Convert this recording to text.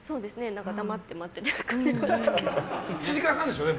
黙って待っててくれましたね。